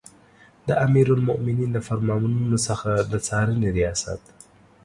د امیرالمؤمنین د فرمانونو څخه د څارنې ریاست